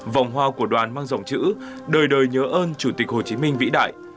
vòng hoa của đoàn mang dòng chữ đời đời nhớ ơn chủ tịch hồ chí minh vĩ đại